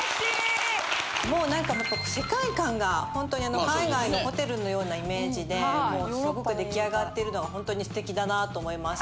もうなんか世界観がホントに海外のホテルのようなイメージですごくできあがってるのはホントに素敵だなと思います。